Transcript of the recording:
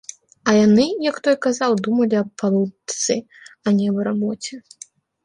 Яны, як той казаў, думалі аб палучцы, а не аб рабоце.